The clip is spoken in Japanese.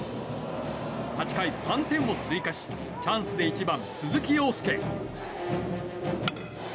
８回、３点を追加しチャンスで１番、鈴木凰介。